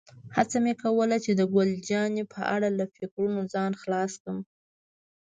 هڅه مې کوله چې د ګل جانې په اړه له فکرونو ځان خلاص کړم.